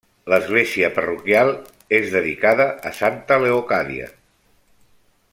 L'església parroquial és dedicada a Santa Leocàdia.